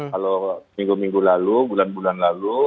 kalau minggu minggu lalu bulan bulan lalu